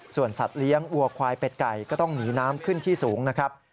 ส่วนสัตว์เลี้ยงวัวควายเป็ดไก่ก็ต้องหนีน้ำขึ้นที่สูงนะครับ